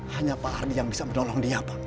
hanya pak ardi yang bisa menolong dia pak